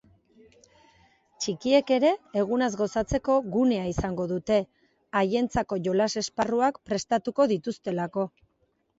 Txikiek ere egunaz gozatzeko gunea izango dute, haientzako jolas esparruak prestatuko dituztelako.